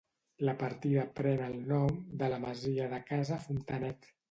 La partida pren el nom de la masia de Casa Fontanet.